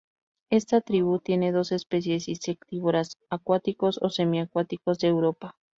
Esta tribu tiene dos especies insectívoras acuáticos o semiacuáticos, de Europa.